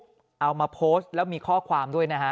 เอามาโพสต์แล้วมีข้อความด้วยนะฮะ